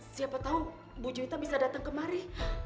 siapa tahu bu julita bisa datang kemari